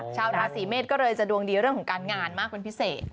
ชาวราศีเมษก็เลยจะดวงดีเรื่องของการงานมากเป็นพิเศษ